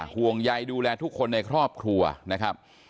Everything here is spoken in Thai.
ห่วงใยดูแลทุกคนในครอบครัวนะครับ